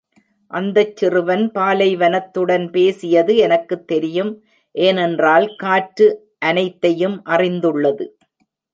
அந்தச் சிறுவன் பாலைவனத்துடன் பேசியது எனக்குத் தெரியும், ஏனெறால் காற்று அனைத்தையும் அறிந்துள்ளது.